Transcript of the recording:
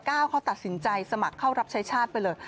เขาตัดสินใจสมัครเข้ารับใช้ชาติไปเลย